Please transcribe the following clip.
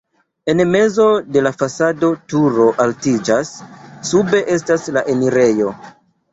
En mezo de la fasado turo altiĝas, sube estas la enirejo.